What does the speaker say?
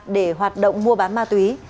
để hoạt động mua bán ma túy